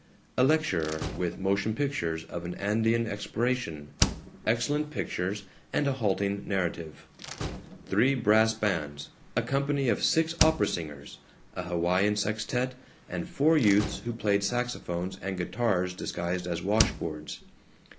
A lecturer with motion pictures of an Andean exploration; excellent pictures and a halting narrative. Three brass bands, a company of six opera singers, a Hawaiian sextette, and four youths who played saxophones and guitars disguised as wash boards.